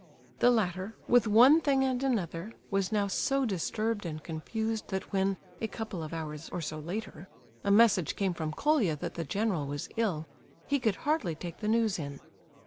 The latter, with one thing and another, was now so disturbed and confused, that when, a couple of hours or so later, a message came from Colia that the general was ill, he could hardly take the news in.